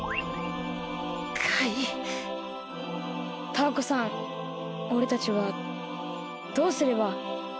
タアコさんおれたちはどうすれば？